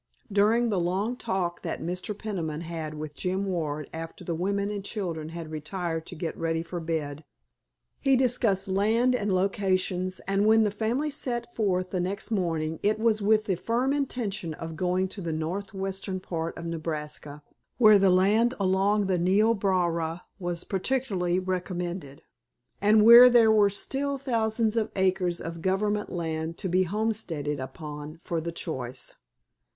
During the long talk that Mr. Peniman had with Jim Ward after the women and children had retired to get ready for bed, he discussed land and locations, and when the family set forth the next morning it was with the firm intention of going to the northwestern part of Nebraska, where the land along the Niobrara was particularly recommended, and where there were still thousands of acres of government land to be homesteaded upon for the choice.